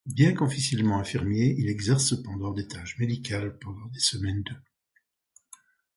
Bien qu'officiellement infirmier, il exerce cependant des tâches médicales pendant les semaines de.